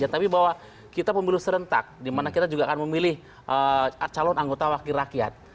tapi bahwa kita pemilu serentak dimana kita juga akan memilih calon anggota wakil rakyat